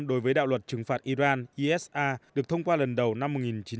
đối với đạo luật trừng phạt iran isa được thông qua lần đầu năm một nghìn chín trăm chín mươi sáu